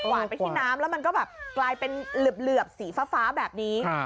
ไปที่น้ำแล้วมันก็แบบกลายเป็นเหลือบสีฟ้าแบบนี้